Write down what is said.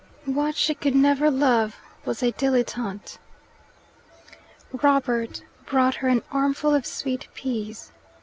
What she could never love was a dilettante. Robert brought her an armful of sweet peas.